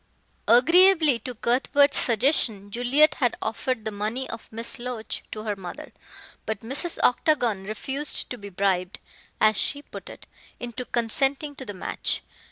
Agreeably to Cuthbert's suggestion, Juliet had offered the money of Miss Loach to her mother. But Mrs. Octagon refused to be bribed as she put it into consenting to the match.